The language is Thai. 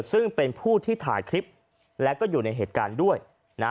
ซึ่งเป็นผู้ที่ถ่ายคลิปแล้วก็อยู่ในเหตุการณ์ด้วยนะ